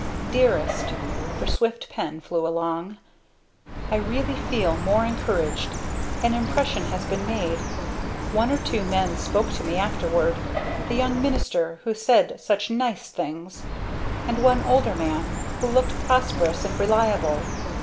"Dearest," her swift pen flew along, "I really feel much encouraged. An impression has been made. One or two men spoke to me afterward; the young minister, who said such nice things; and one older man, who looked prosperous and reliable.